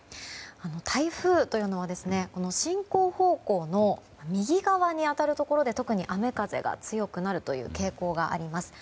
台風というのは進行方向の右側に当たるところで特に雨風が強くなるという傾向があります。